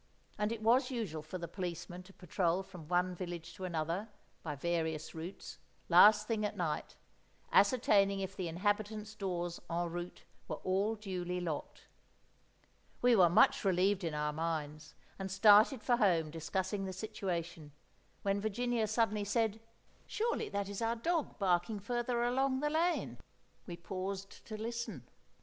And it was usual for the policeman to patrol from one village to another, by various routes, last thing at night, ascertaining if the inhabitants' doors en route were all duly locked. We were much relieved in our minds, and started for home discussing the situation, when Virginia suddenly said— "Surely that is our dog barking further along the lane?" We paused to listen.